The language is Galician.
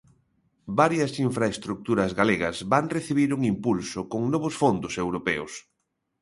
Varias infraestruturas galegas van recibir un impulso con novos fondos europeos.